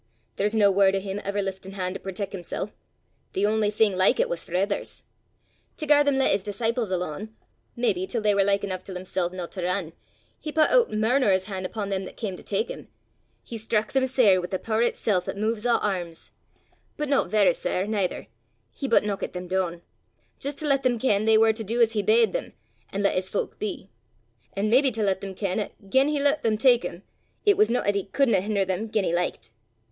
There's no word o' him ever liftin' han' to protec' himsel'. The only thing like it was for ithers. To gar them lat his disciples alane maybe till they war like eneuch til himsel' no to rin, he pat oot mair nor his han' upo' them 'at cam to tak him: he strak them sair wi' the pooer itsel' 'at muvs a' airms. But no varra sair naither he but knockit them doon! jist to lat them ken they war to du as he bade them, an' lat his fowk be; an' maybe to lat them ken 'at gien he loot them tak him, it was no 'at he couldna hin'er them gien he likit.